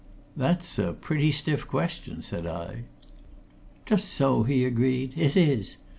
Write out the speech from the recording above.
"That's a pretty stiff question!" said I. "Just so!" he agreed. "It is.